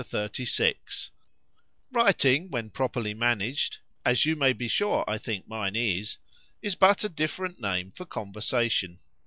XXXVI WRITING, when properly managed (as you may be sure I think mine is) is but a different name for conversation.